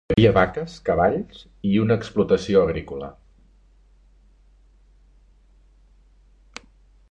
Hi havia vaques, cavalls i una explotació agrícola.